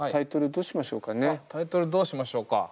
タイトルどうしましょうかね。